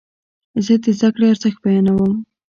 زه د زده کړې ارزښت بیانوم.